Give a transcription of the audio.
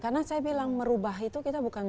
karena saya bilang merubah itu kita bukan